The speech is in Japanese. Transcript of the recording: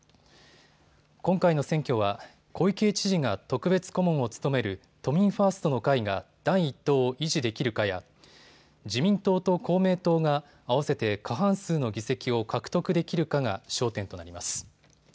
今回の選挙は小池知事が特別顧問を務める都民ファーストの会が第１党を維持できるかや自民党と公明党が合わせて過半数の議席を獲得できるかが焦点となります。